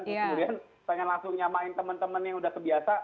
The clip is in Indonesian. kemudian pengen langsung nyamain temen temen yang udah kebiasa